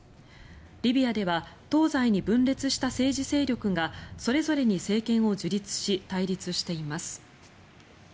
リビアでは東西に分裂した政治勢力がそれぞれに政権を樹立し対立しています。